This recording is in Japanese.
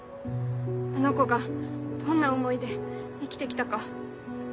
あの子がどんな思いで生きて来たか。